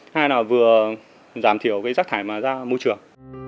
hai là vừa giảm thiểu cái rác thải mà ra môi trường